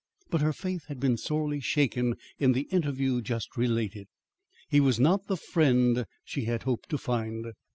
But her faith had been sorely shaken in the interview just related. He was not the friend she had hoped to find.